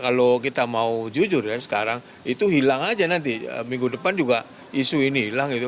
kalau kita mau jujur kan sekarang itu hilang aja nanti minggu depan juga isu ini hilang gitu